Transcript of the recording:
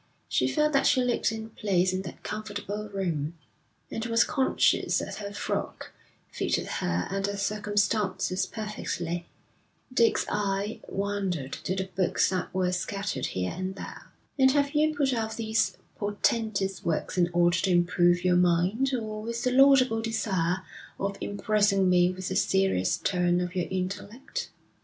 She felt that she looked in place in that comfortable room, and was conscious that her frock fitted her and the circumstances perfectly. Dick's eye wandered to the books that were scattered here and there. 'And have you put out these portentous works in order to improve your mind, or with the laudable desire of impressing me with the serious turn of your intellect?'